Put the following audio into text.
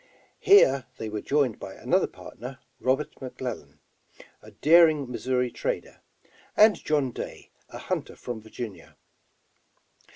Here they were joined by another partner, Robert McLellan, a daring Missouri trader, and John Day, a hunter from Virginia.